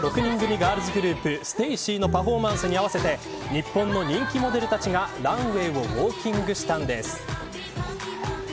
ガールズグループＳＴＡＹＣのパフォーマンスに合わせて日本の人気モデルたちがランウェイをウォーキングしたんです。